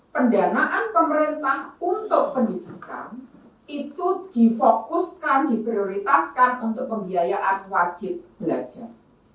pendanaan pemerintah untuk pendidikan itu difokuskan diprioritaskan untuk pembiayaan wajib belajar